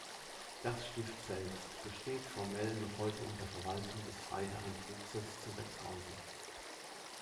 Das Stift selbst besteht formell noch heute unter Verwaltung der Freiherren Truchseß zu Wetzhausen.